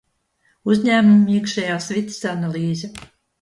Uzņēmuma iekšējās vides analīze.